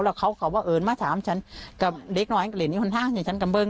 ก็เลิกน้อยก็เลิกยกเมียหนึ่งคนห้างหรือว่าฉันกำเบิ้ง